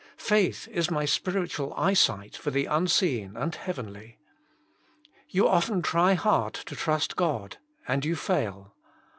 Faith is my spiritual eye sight for the unseen and heavenly. You often try hard to trust God, and you fail.